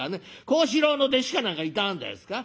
幸四郎の弟子か何かいたんですか？」。